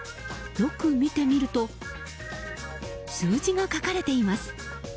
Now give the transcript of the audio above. よく見てみると数字が書かれています。